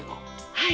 はい。